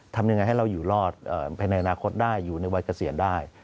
ทำยังไงให้เราอยู่รอดภายในอนาคตได้อยู่ในวัยเกษียณได้